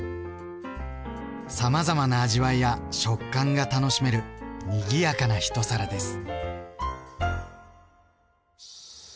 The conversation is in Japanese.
さまざまな味わいや食感が楽しめるにぎやかな一皿です。